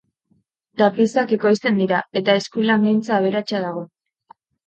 Tapizak ekoizten dira, eta eskulangintza aberatsa dago.